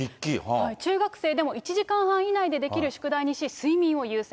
中学生でも１時間半以内でできる宿題にし、睡眠を優先。